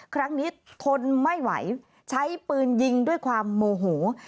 ครั้งนี้ทนไม่ไหวใช้ปืนยิงด้วยความโมโห